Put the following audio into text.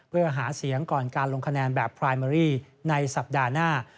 เพื่อหาเสียงก่อนการลงคะแนนแบบพรายเมอรี่ในสัปดาห์หน้า